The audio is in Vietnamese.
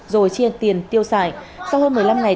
rồi chia tiền tiêu xài sau hơn một mươi năm ngày